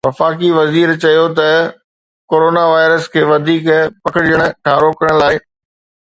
وفاقي وزير چيو ته ڪورونا وائرس کي وڌيڪ پکڙجڻ کان روڪڻ لاءِ…